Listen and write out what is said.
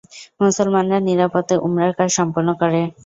মুসলমানরা নিরাপদে উমরার কাজ সম্পন্ন করে।